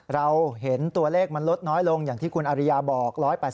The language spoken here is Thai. เราเห็นตัวเลขมันลดน้อยลงอย่างที่คุณอริยาบอก